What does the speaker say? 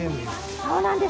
そうなんです！